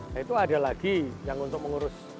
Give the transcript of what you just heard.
nah itu ada lagi yang untuk mengurus